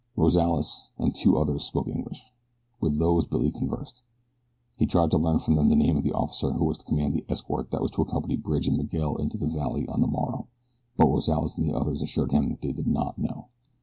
Rozales and two others spoke English. With those Billy conversed. He tried to learn from them the name of the officer who was to command the escort that was to accompany Bridge and Miguel into the valley on the morrow; but Rozales and the others assured him that they did not know.